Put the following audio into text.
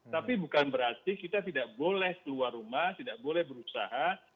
tapi bukan berarti kita tidak boleh keluar rumah tidak boleh berusaha